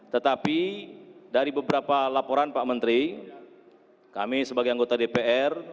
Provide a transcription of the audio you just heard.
tetapi dari beberapa laporan pak menteri kami sebagai anggota dpr